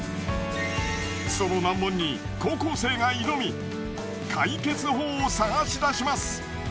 その難問に高校生が挑み解決法を探し出します！